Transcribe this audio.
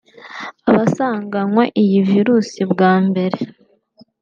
Abasanganywe iyi virus bwa mbere